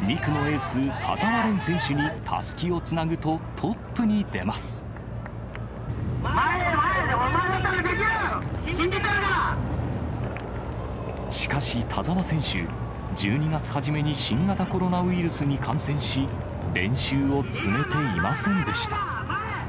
２区のエース、田澤廉選手に、前へ前へ、お前だったらできしかし、田澤選手、１２月初めに新型コロナウイルスに感染し、練習を積めていませんでした。